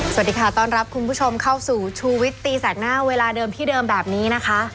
สวัสดีค่ะต้อนรับคุณผู้ชมเข้าสู่ชูวิตตีแสกหน้าเวลาเดิมที่เดิมแบบนี้นะคะ